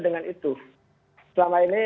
dengan itu selama ini